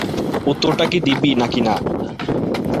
উত্তরটা কি দিবি নাকি না?